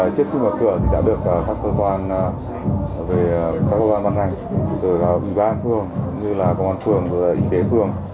chiếc khu mở cửa đã được các cơ quan văn hành từ ủy ban phường công an phường ủy tế phường